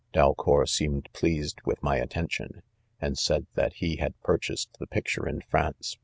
Balcour seemed pleased with my attention, and said that he had purchased the picture in France